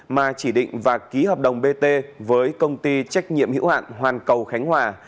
mà chỉ định và ký hợp đồng bt với công ty trách nhiệm hữu hạn hoàn cầu khánh hòa